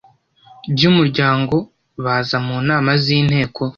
by umuryango baza mu nama z inteko